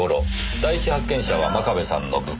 第一発見者は真壁さんの部下